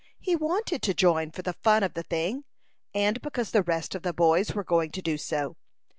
He wanted to join for the fun of the thing, and because the rest of the boys were going to do so.